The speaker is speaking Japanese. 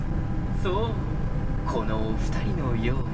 ［そうこのお二人のように］